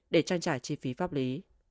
để trang trải chi phí pháp lý